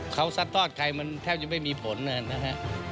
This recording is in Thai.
เขาซัดทอดใครมันแทบจะไม่มีผลนะฮะ